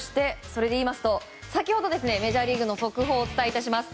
それでいいますとメジャーリーグの速報をお伝えします。